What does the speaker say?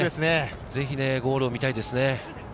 ぜひゴールを見たいですね。